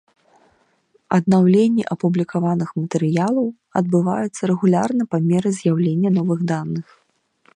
Абнаўленні апублікаваных матэрыялаў адбываюцца рэгулярна па меры з'яўлення новых даных.